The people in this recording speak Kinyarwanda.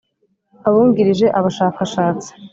Abungirije abashakashatsi